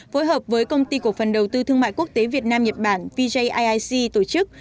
phối hợp với công ty cổ phần đầu tư thương mại quốc tế việt nam nhật bản vjic tổ chức